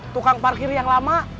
tukang parkir yang lama